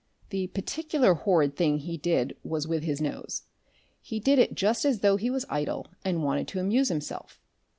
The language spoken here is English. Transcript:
The particular horrid thing he did was with his nose. He did it just as though he was idle and wanted to amuse himself.